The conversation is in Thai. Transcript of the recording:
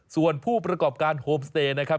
ส่วนผู้ประกอบการโฮมสเตย์นะครับ